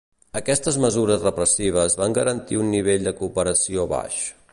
Aquestes mesures repressives van garantir un nivell de cooperació baix.